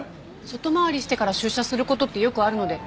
外回りしてから出社する事ってよくあるので。